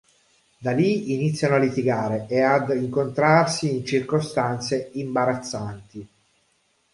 Da lì iniziano a litigare e ad incontrarsi in circostanze imbarazzanti.